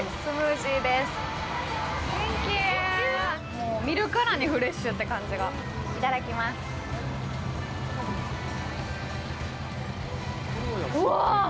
もう見るからにフレッシュって感じがいただきますうわ！